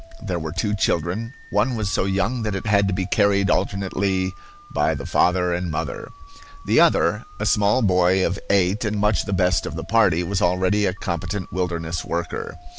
There were two children. One was so young that it had to be carried alternately by the father and mother. The other, a small boy of eight, and much the best of the party, was already a competent wilderness worker.